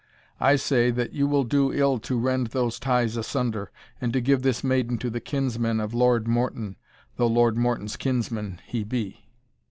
I say, that you will do ill to rend those ties asunder, and to give this maiden to the kinsman of Lord Morton, though Lord Morton's kinsman he be."